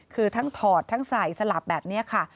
คือทั้งถอดทั้งใส่สลับแบบนี้ค่ะ